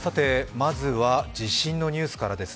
まずは地震のニュースからです。